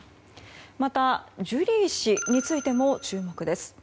また、ジュリー氏についても注目です。